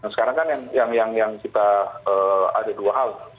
sekarang kan yang kita ada dua hal